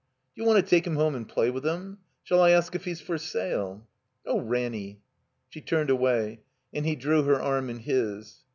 "D'you want to take him home and play with him? Shall I ask if he's for sale?" "Oh, Ranny!" She turned away. And he drew her arm in his.